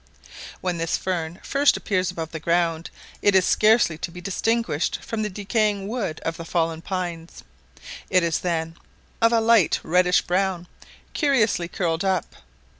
When this fern first appears above the ground, it is scarcely to be distinguished from the decaying wood of the fallen pines; it is then of a light reddish brown, curiously curled up.